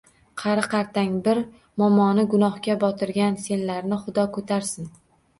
Qari-qartang bir momoni gunohga botirgan senlarni xudo ko‘tarsin!